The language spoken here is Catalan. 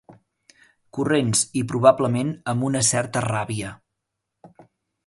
Corrents, i probablement amb una certa ràbia.